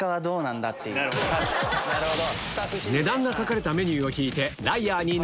なるほど。